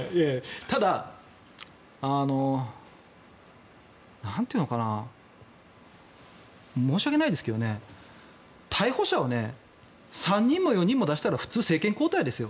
ただ、なんというのか申し訳ないですけど逮捕者を３人も４人も出したら普通は政権交代ですよ。